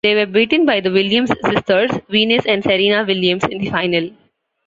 They were beaten by the Williams sisters, Venus and Serena Williams in the final.